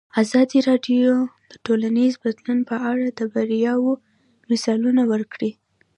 ازادي راډیو د ټولنیز بدلون په اړه د بریاوو مثالونه ورکړي.